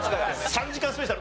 ３時間スペシャル。